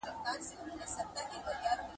ما چي ورلېږلی وې رویباره جانان څه ویل